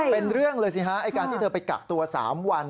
เป็นเรื่องเลยสิฮะไอ้การที่เธอไปกักตัว๓วัน